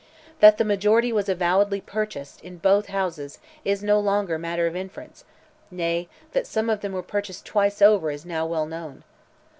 That the majority was avowedly purchased, in both Houses, is no longer matter of inference, nay, that some of them were purchased twice over is now well known.